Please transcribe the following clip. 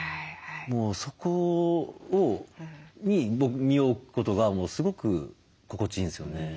もうそこに身を置くことがすごく心地いいんですよね。